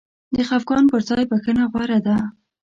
د خفګان پر ځای بخښنه غوره ده.